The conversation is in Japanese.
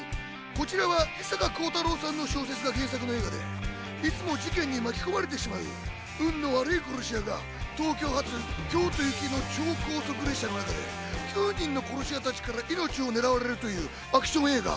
こちらは伊坂幸太郎さんの小説が原作の映画で、いつも事件に巻き込まれてしまう運の悪い殺し屋が東京発・京都行きの超高速列車の中で９人の殺し屋たちから命をねらわれるというアクション映画。